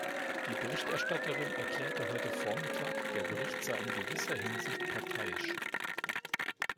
Die Berichterstatterin erklärte heute vormittag, der Bericht sei in gewisser Hinsicht parteiisch.